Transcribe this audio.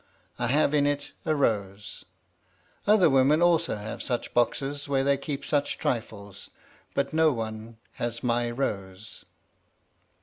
I have in it a rose. Other women also have such boxes where they keep such trifles, but no one has my rose.